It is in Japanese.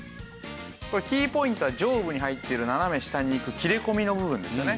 これキーポイントは上部に入ってる斜め下にいく切れ込みの部分ですよね。